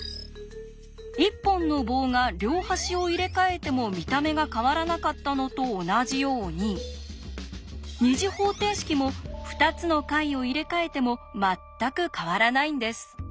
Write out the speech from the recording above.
一本の棒が両端を入れ替えても見た目が変わらなかったのと同じように２次方程式も２つの解を入れ替えても全く変わらないんです。